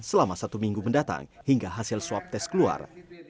selama satu minggu mendatang hingga hasil swab test keluar